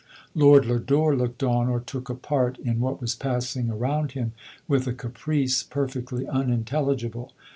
Lord Lodore looked on, or took a part, in what was passing around him, with a caprice perfectly unintelligible.